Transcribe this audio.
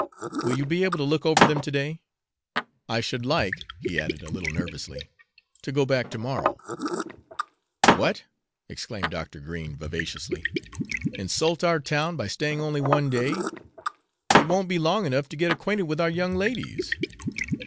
Will you be able to look over them to day? I should like," he added a little nervously, "to go back to morrow." "What!" exclaimed Dr. Green vivaciously, "insult our town by staying only one day? It won't be long enough to get acquainted with our young ladies.